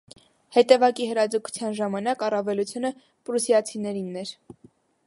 Հետևակի հրաձգության ժամանակ առավելությունը պրուսիացիներինն էր։